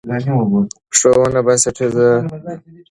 ښوونه بنسټیزه ده.